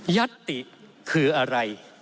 ยัตติคืออะไร